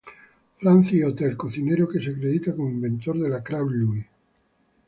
Francis Hotel, cocinero que se acredita como inventor de la crab Louie.